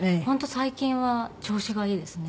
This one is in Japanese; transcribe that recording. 最近は調子がいいですね。